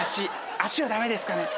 足はダメですかね？